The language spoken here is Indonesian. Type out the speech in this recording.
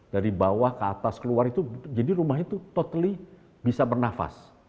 dari bawah ke atas keluar itu jadi rumah itu totally bisa bernafas